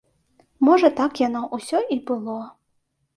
Можа так яно ўсё і было.